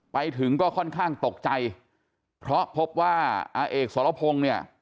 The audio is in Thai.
ไปถึงก็ค่อนข้างตกใจเพราะพบว่าอาเอกสรพงศ์เนี่ย